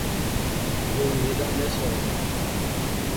یو نیلم نہسا ہونا